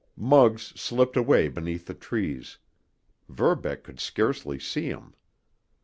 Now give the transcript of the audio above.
Muggs slipped away beneath the trees; Verbeck could scarcely see him.